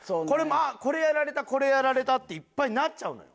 これやられたこれやられたっていっぱいなっちゃうのよ。